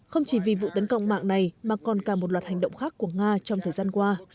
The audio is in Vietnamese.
không chỉ vì vụ tấn công mạng này mà còn cả một loạt hành động khác của nga trong thời gian qua